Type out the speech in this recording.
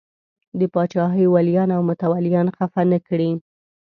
د پاچاهۍ ولیان او متولیان خفه نه کړي.